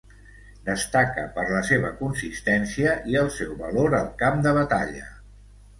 Destaca per la seva consistència i el seu valor al camp de batalla.